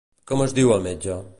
Com es diu el metge?